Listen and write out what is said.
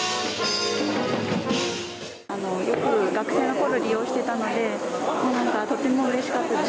よく学生のころ利用していたのでとてもうれしかったです